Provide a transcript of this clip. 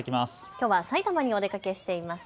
きょうはさいたまにお出かけしています。